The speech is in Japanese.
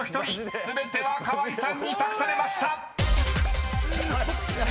［全ては河井さんに託されました］